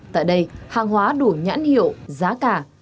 tại đây hàng hóa đủ nhãn hiệu giá cả